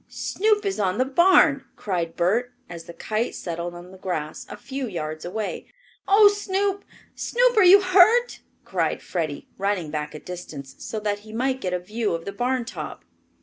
"Snoop is on the barn!" cried Bert, as the kite settled on the grass a few yards away. "Oh, Snoop! Snoop! are you hurt?" cried Freddie, running back a distance, so that he might get a view of the barn top.